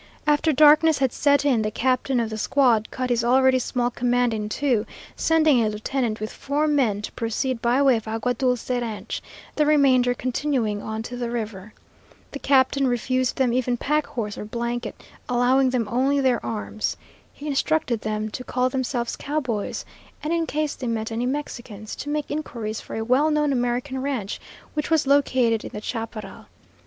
After darkness had set in, the captain of the squad cut his already small command in two, sending a lieutenant with four men to proceed by way of Agua Dulce ranch, the remainder continuing on to the river. The captain refused them even pack horse or blanket, allowing them only their arms. He instructed them to call themselves cowboys, and in case they met any Mexicans, to make inquiries for a well known American ranch which was located in the chaparral.